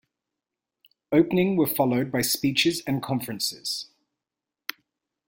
Opening were followed by speeches and conferences.